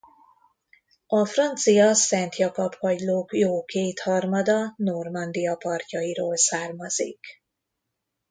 A francia Szent Jakab-kagylók jó két harmada Normandia partjairól származik.